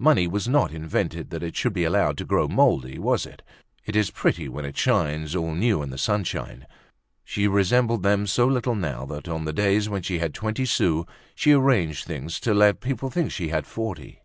Money was not invented that it should be allowed to grow moldy, was it? It is pretty when it shines all new in the sunshine. She resembled them so little now, that on the days when she had twenty sous she arranged things to let people think that she had forty.